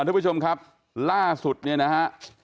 ทุกผู้ชมครับล่าสุดเนี่ยนะฮะ